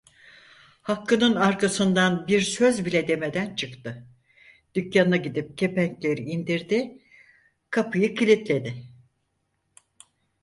Hakkı'nın arkasından, bir söz bile demeden çıktı, dükkanına gidip kepenkleri indirdi, kapıyı kilitledi.